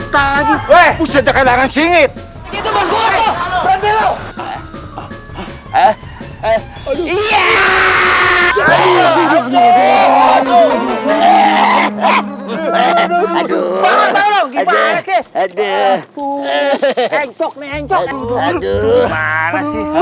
harus karena si ada his own